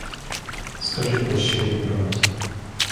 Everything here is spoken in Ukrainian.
Скажи по щирій правді.